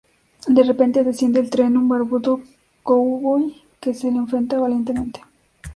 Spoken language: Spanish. De repente, desciende del tren un barbudo cowboy que se le enfrenta valientemente.